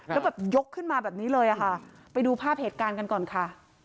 แล้วแบบยกขึ้นมาแบบนี้เลยค่ะไปดูภาพเหตุการณ์กันก่อนค่ะ